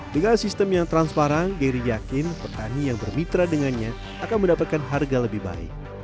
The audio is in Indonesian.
dengan sistem yang transparan gary yakin petani yang bermitra dengannya akan mendapatkan harga lebih baik